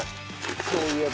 そういえば。